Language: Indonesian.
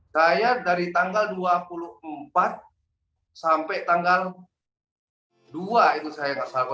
saya dari tanggal dua puluh empat sampai tanggal dua itu saya nggak salah